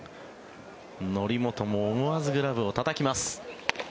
則本も思わずグラブをたたきます。